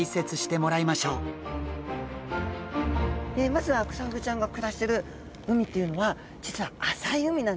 まずはクサフグちゃんが暮らしてる海というのは実は浅い海なんですね。